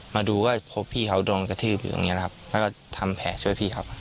มาดูพี่เขาโดนกะทืบทำแผ่ช่วยพี่ครับ